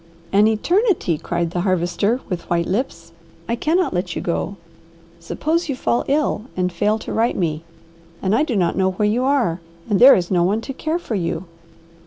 "An eternity!" cried the Harvester with white lips. "I cannot let you go. Suppose you fall ill and fail to write me, and I do not know where you are, and there is no one to care for you."